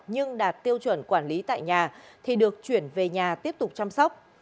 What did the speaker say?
nhưng đạt tiêu chuẩn quản lý tại nhà thì được chuyển về nhà tiếp tục chăm sóc